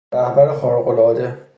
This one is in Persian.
رهبر خارقالعاده